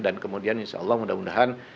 dan kemudian insya allah mudah mudahan